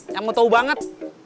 yang mau tau banget